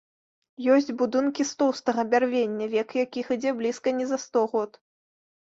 Ёсць будынкі з тоўстага бярвення, век якіх ідзе блізка не за сто год.